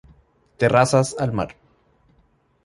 Terrazas al Mar.